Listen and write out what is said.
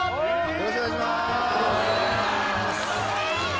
よろしくお願いします